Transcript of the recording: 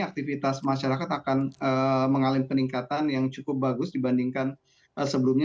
aktivitas masyarakat akan mengalami peningkatan yang cukup bagus dibandingkan sebelumnya